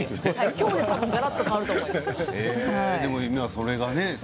今日でがらっと変わると思います。